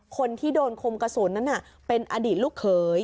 คนที่โดนคมกระสุนนั้นเป็นอดีตลูกเขย